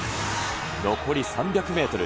残り３００メートル。